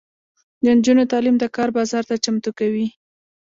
د نجونو تعلیم د کار بازار ته چمتو کوي.